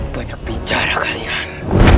banyak bicara kalian